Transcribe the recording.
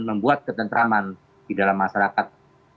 membuat ketentraman di dalam masyarakat